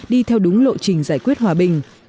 đi theo đúng lộ trình giải quyết hòa bình